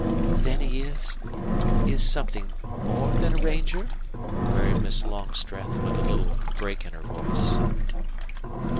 "Then he is is something more than a ranger?" queried Miss Longstreth, with a little break in her voice.